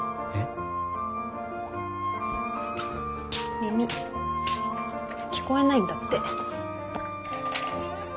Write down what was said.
耳聞こえないんだって。